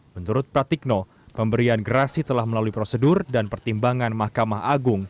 menurut pratikno pemberian gerasi telah melalui prosedur dan pertimbangan mahkamah agung